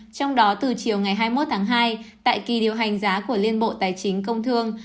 trong đó từ chiều ngày hai mươi một tháng hai tại kỳ điều hành giá của liên bộ tài chính công thương